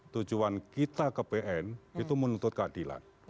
tujuan kita ke pn itu menuntut keadilan